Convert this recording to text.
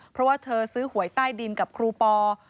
เพราะว่าเธอซื้อหวยใต้ดินกับครูปอ